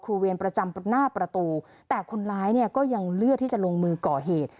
เวรประจำหน้าประตูแต่คนร้ายเนี่ยก็ยังเลือกที่จะลงมือก่อเหตุ